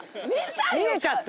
見えちゃった？